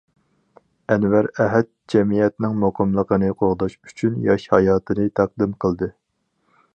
ئەنۋەر ئەھەت جەمئىيەتنىڭ مۇقىملىقىنى قوغداش ئۈچۈن ياش ھاياتىنى تەقدىم قىلدى.